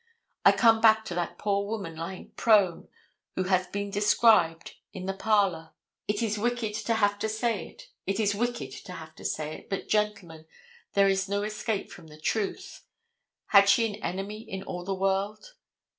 I come back to that poor woman lying prone, as has been described, in the parlor. It is wicked to have to say it, it is wicked to have to say it, but, gentlemen, there is no escape from the truth. Had she an enemy in all the world?